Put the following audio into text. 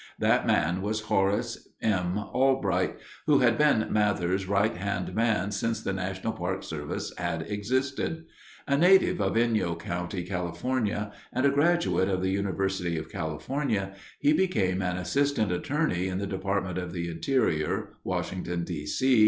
That man was Horace M. Albright, who had been Mather's right hand man since the National Park Service had existed. A native of Inyo County, California, and a graduate of the University of California, he became an assistant attorney in the Department of the Interior, Washington, D. C.